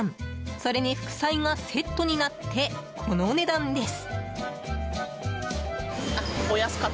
それに副菜がセットになってこの値段です。